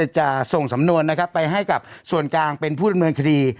จะส่งสำนวนนะครับไปให้กับส่วนกลางเป็นผู้ดำเนินคดี